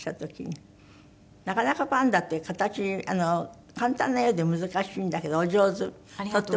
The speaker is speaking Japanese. なかなかパンダって形簡単なようで難しいんだけどお上手。